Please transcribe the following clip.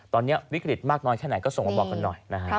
ตอนนี้วิกฤตมากน้อยแค่ไหนก็ส่งมาบอกกันหน่อยนะครับ